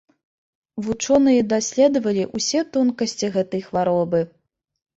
Вучоныя даследавалі ўсе тонкасці гэтай хваробы.